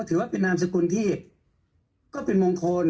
ถือว่าเป็นนามสกุลที่ก็เป็นมงคล